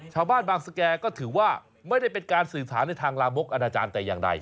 ชาวบ้านบางสแก่ก็ถือว่าไม่ได้เป็นการสื่อสารในทางลามกอนาจารย์แต่อย่างใด